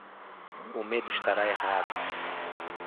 O medo estará errado